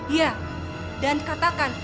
iya dan katakan